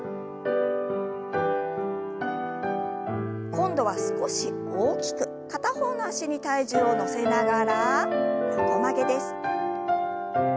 今度は少し大きく片方の脚に体重を乗せながら横曲げです。